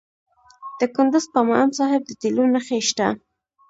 د کندز په امام صاحب کې د تیلو نښې شته.